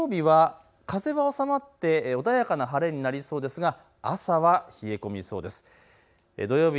日曜日は風は収まって穏やかな晴れになりそうですが朝は冷え込みそうです。